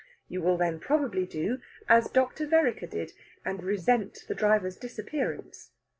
You will then probably do as Dr. Vereker did, and resent the driver's disappearance.